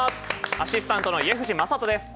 アシスタントの家藤正人です。